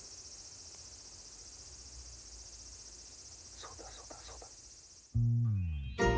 そうだそうだそうだ。